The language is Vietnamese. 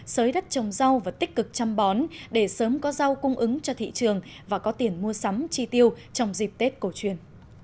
sới đất trồng rau và tích cực chăm bón để sớm có rau cung ứng cho thị trường và có tiền mua sắm chi tiêu trong dịp tết cổ truyền